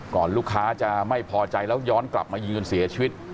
ลูกค้าจะไม่พอใจแล้วย้อนกลับมายิงจนเสียชีวิต